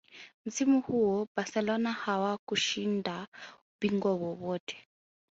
msimu huo barcelona hawakushinda ubingwa wowote